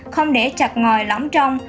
không để chặt ngòi lõng trong